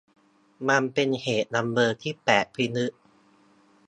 มันเป็นเหตุบังเอิญที่แปลกพิลึก